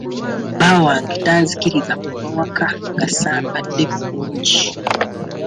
Bba wange tanzikiriza kuva waka nga sambadde bulungi.